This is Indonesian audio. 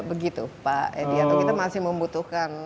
begitu pak kita masih membutuhkan